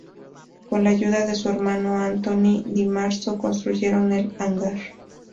Con la ayuda de su hermano Antonio di Marzo construyeron el hangar.